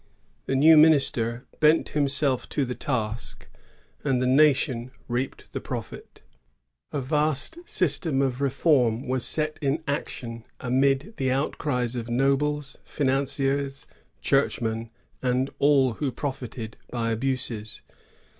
The new minister bent himself to the task, and the nation reaped the profit. A vast system of reform was set in action amid the outcries of nobles, finan ciers, churchmen, and all who profited by abuses.